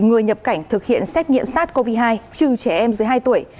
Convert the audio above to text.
người nhập cảnh thực hiện xét nghiệm sars cov hai trừ trẻ em dưới hai tuổi